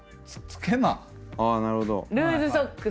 あなるほど。